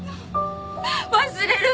忘れるの！